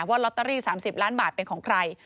ลอตเตอรี่๓๐ล้านบาทเป็นของใคร